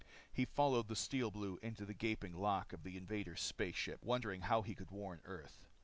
He followed the Steel Blue into the gaping lock of the invaders' space ship wondering how he could warn Earth.